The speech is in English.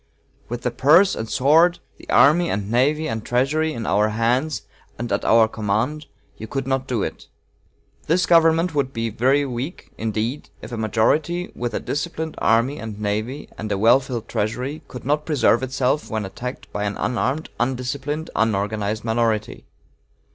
With the purse and sword, the army and navy and treasury, in our hands and at our command, you could not do it. This government would be very weak, indeed, if a majority, with a disciplined army and navy and a well filled treasury, could not preserve itself when attacked by an unarmed, undisciplined, unorganized minority.